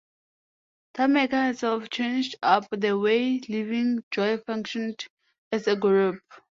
Tameka herself changed up the way Livin' Joy functioned as a group.